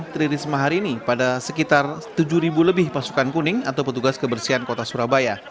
teriris mahar ini pada sekitar tujuh ribu lebih pasukan kuning atau petugas kebersihan kota surabaya